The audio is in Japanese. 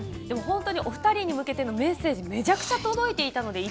お二人に向けてのメッセージがむちゃくちゃ届いています。